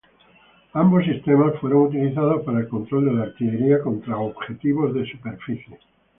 Ambos sistemas fueron utilizados para el control de la artillería contra objetivos de superficie.